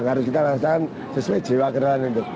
harus kita rasakan sesuai jiwa keran itu